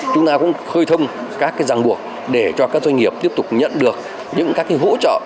chúng ta cũng khơi thông các cái giang buộc để cho các doanh nghiệp tiếp tục nhận được những các cái hỗ trợ